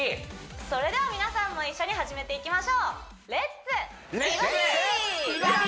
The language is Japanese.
それでは皆さんも一緒に始めていきましょうカモン！